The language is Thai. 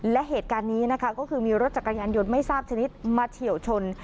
และเหตุการณ์นี้นะคะก็คือมีรถจักรยานยนต์ไม่ทราบชนิดมาเฉียวชน